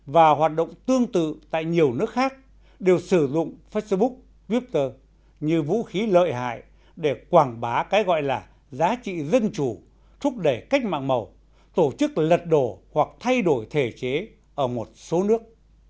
và hoạt động tương tự tại nhiều nước khác đều sử dụng facebook twitter như vũ khí lợi hại để quảng bá cái gọi là giá trị dân chủ thúc đẩy cách mạng màu tổ chức lật đổ hoặc thay đổi thể chế ở một số nước